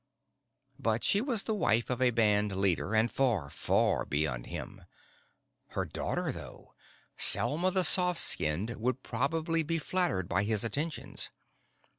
But she was the wife of a band leader and far, far beyond him. Her daughter, though, Selma the Soft Skinned, would probably be flattered by his attentions.